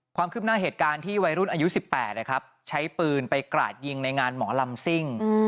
ความคืบหน้าเหตุการณ์ที่วัยรุ่นอายุ๑๘ใช้ปืนไปกราดยิงในงานหมอลำซิ่ง